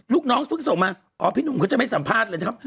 ลูกน้องเพิ่งส่งมาอ๋อพี่หนุ่มเขาจะไม่สัมภาษณ์เลยนะครับ